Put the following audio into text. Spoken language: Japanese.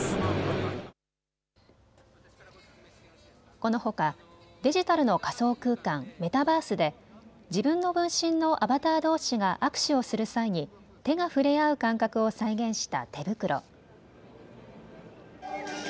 このほかデジタルの仮想空間、メタバースで自分の分身のアバターどうしが握手をする際に手が触れ合う感覚を再現した手袋。